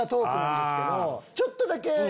ちょっとだけ。